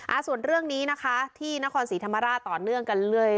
ส่วนเรื่องนี้นะคะที่นครศรีธรรมราชต่อเนื่องกันเรื่อย